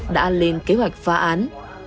đã lên kế hoạch phá án